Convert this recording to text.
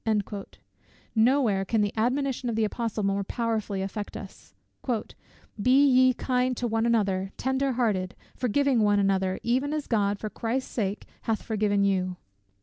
No where can the admonition of the Apostle more powerfully affect us; "Be ye kind one to another, tender hearted, forgiving one another, even as God, for Christ's sake, hath forgiven you."